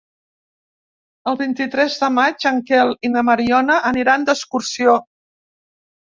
El vint-i-tres de maig en Quel i na Mariona aniran d'excursió.